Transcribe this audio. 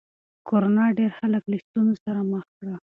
کرونا ډېر خلک له ستونزو سره مخ کړل.